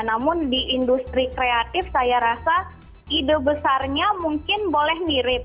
namun di industri kreatif saya rasa ide besarnya mungkin boleh mirip